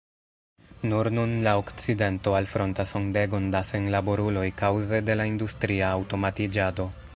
Nur nun la okcidento alfrontas ondegon da senlaboruloj kaŭze de la industria aŭtomatiĝado.